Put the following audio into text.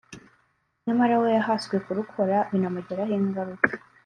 nyamara we yahaswe kurukora binamugiraho ingaruka